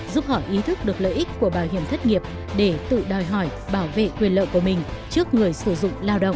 giúp họ ý thức được lợi ích của bảo hiểm thất nghiệp để tự đòi hỏi bảo vệ quyền lợi của mình trước người sử dụng lao động